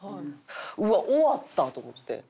うわっ終わったと思って。